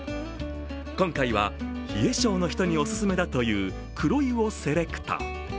今回は、冷え性の人におすすめだという黒湯をセレクト。